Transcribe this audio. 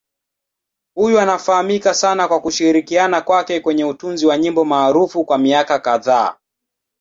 Huyu anafahamika sana kwa kushirikiana kwake kwenye utunzi wa nyimbo maarufu kwa miaka kadhaa.